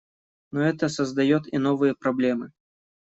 Но это создает и новые проблемы.